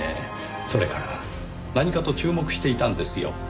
それから何かと注目していたんですよ。